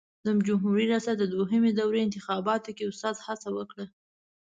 د جمهوري ریاست د دوهمې دورې انتخاباتو کې استاد هڅه وکړه.